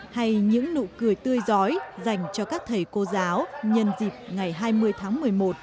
hay những nụ cười tươi gió dành cho các thầy cô giáo nhân dịp ngày hai mươi tháng một mươi một